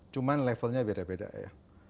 cuma levelnya beda beda ya